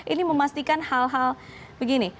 ini memastikan hal hal begini